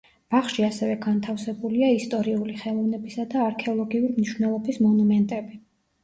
ბაღში ასევე განთავსებულია ისტორიული, ხელოვნებისა და არქეოლოგიურ მნიშვნელობის მონუმენტები.